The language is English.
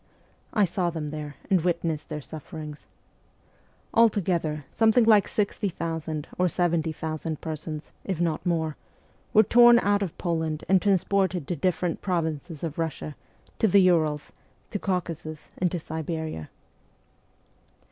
I saw them there, and witnessed their suffer ings. Altogether, something like 60,000 or 70,000 persons, if not more, were torn out of Poland and transported to different provinces of Russia, to the Urals, to Caucasus, and to Siberia.